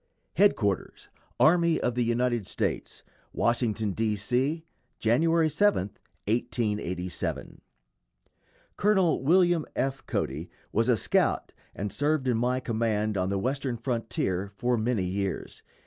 ] HEADQUARTERS ARMY OF THE UNITED STATES, WASHINGTON, D. C., January 7, 1887. Col. William F. Cody was a scout and served in my command on the Western frontier for many years.